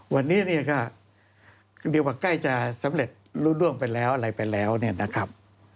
วันนี้เนี่ยก็เรียกว่าใกล้จะสำเร็จรู้ร่วงไปแล้วอะไรไปแล้วเนี่ยนะครับ